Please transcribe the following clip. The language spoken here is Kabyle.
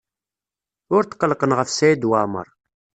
Ur tqellqen ɣef Saɛid Waɛmaṛ.